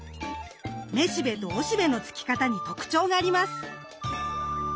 めしべとおしべのつき方に特徴があります。